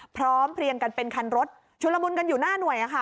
พร้อมเพลียงกันเป็นคันรถชุลมุนกันอยู่หน้าหน่วย